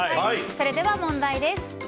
それでは問題です。